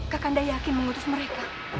kakanda yakin mengutus mereka